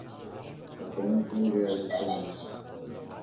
Окуянын чоо жайы азырынча белгисиз.